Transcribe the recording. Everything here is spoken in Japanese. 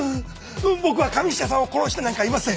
僕は神下さんを殺してなんかいません。